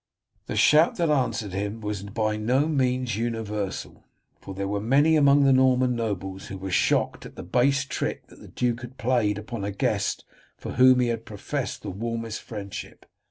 The shout that answered him was by no means universal, for there were many among the Norman nobles who were shocked at the base trick that the duke had played upon a guest for whom he had professed the warmest friendship.